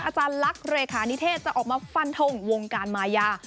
อาจารย์ลักษณ์เลขานิเทศจะออกมาฟันทงวงการมายา